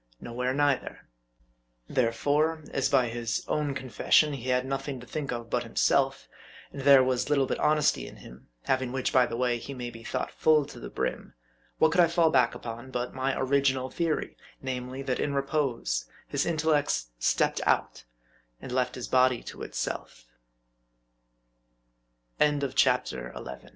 Nowhere neither. There fore, as by his own confession he had nothing to think of but himself, and there was little but honesty in him (having which, by the way, he may be thought full to the brim), what could I fall back upon but my original theory : name ly, that in repose, his intellects stepped out, and left his